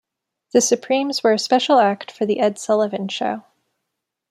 The Supremes were a special act for "The Ed Sullivan Show".